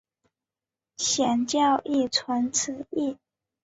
显教亦存此义。